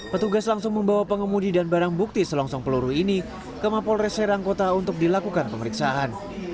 petugas langsung membawa pengemudi dan barang bukti selongsong peluru ini ke mapolres serang kota untuk dilakukan pemeriksaan